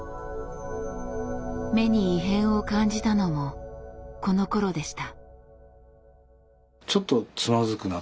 目に異変を感じたのもこのころでした。